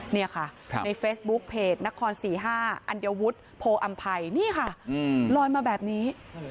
นี่ค่ะในเฟซบุ๊กเพจนคร๔๕อัญวุฒิโพออำภัยนี่ค่ะลอยมาแบบนี้